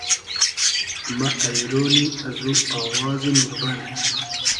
مۂ اݷرۉنی ازو آوازی نوربئن